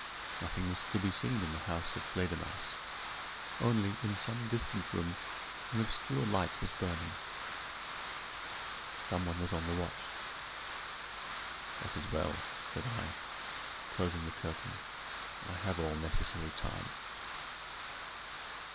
Nothing was to be seen in the house of Fledermausse; only, in some distant room, an obscure light was burning. Some one was on the watch. "That is well," said I, closing the curtain. "I have all necessary time."